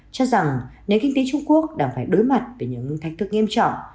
cho rằng nền kinh tế trung quốc đang phải đối mặt với những thách thức nghiêm trọng